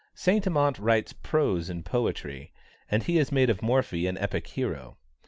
Saint Amant writes prose in poetry, and he has made of Morphy an epic hero.